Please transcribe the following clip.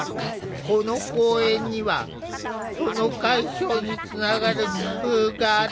この公園にはその解消につながる工夫がある。